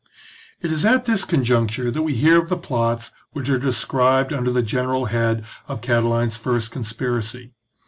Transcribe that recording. It is at this conjuncture that we hear of the plots which are described under the general head of Cati line's first conspiracy.